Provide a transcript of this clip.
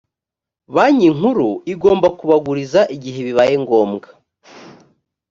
banki nkuru igomba kubaguriza igihe bibaye ngombwa